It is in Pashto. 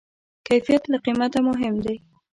کیفیت له قیمته مهم دی.